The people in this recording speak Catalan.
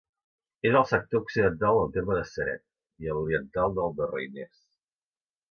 És al sector occidental del terme de Ceret i a l'oriental del de Reiners.